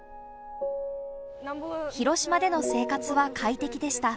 広島での生活は快適でした。